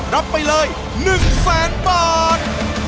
รับไปเลย๑แสนบาท